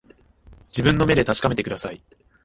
自分の目で確かめてください